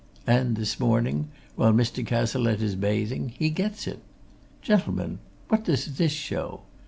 And, this morning, while Mr. Cazalette is bathing, he gets it! Gentlemen! what does this show?